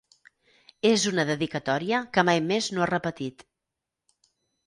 És una dedicatòria que mai més no ha repetit.